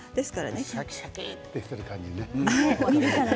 シャキシャキっとしている感じね。